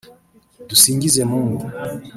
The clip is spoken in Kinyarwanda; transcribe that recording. Dusingizemungu